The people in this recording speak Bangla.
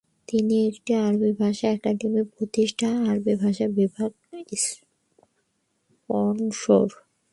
তিনি একটি আরবি ভাষা একাডেমী প্রতিষ্ঠা, আরবি ভাষা বিভাগ স্পনসর।